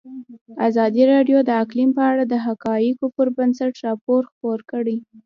ازادي راډیو د اقلیم په اړه د حقایقو پر بنسټ راپور خپور کړی.